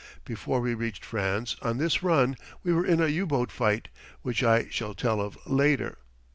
Before we reached France on this run we were in a U boat fight, which I shall tell of later.